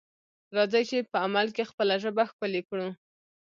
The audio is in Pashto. راځئ چې په عمل کې خپله ژبه ښکلې کړو.